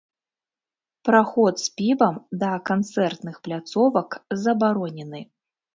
Праход з півам да канцэртных пляцовак забаронены.